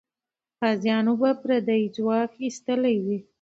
غازیانو به پردی ځواک ایستلی وي.